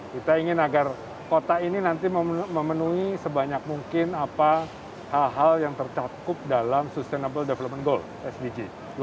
kita ingin agar kota ini nanti memenuhi sebanyak mungkin hal hal yang tercakup dalam sustainable development goal sdg dua ribu dua puluh